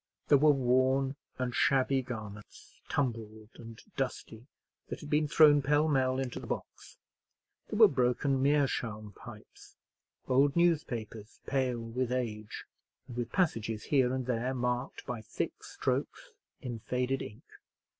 There were worn and shabby garments, tumbled and dusty, that had been thrown pell mell into the box: there were broken meerschaum pipes; old newspapers, pale with age, and with passages here and there marked by thick strokes in faded ink.